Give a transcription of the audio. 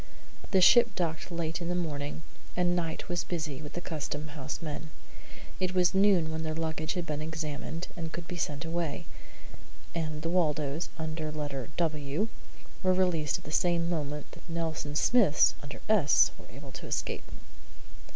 The ship docked late in the morning, and Knight was busy with the custom house men. It was noon when their luggage had been examined and could be sent away; and the Waldos, under letter "W," were released at the same moment that the Nelson Smiths, under "S," were able to escape.